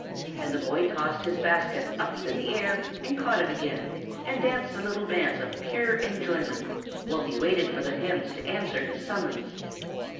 and the boy tossed his basket up in the air and caught it again, and danced a little dance of pure enjoyment, while he waited for the hens to answer his summons.